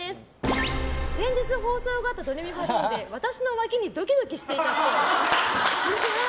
先日放送があった「ドレミファドン！」で私のわきにドキドキしていたっぽい。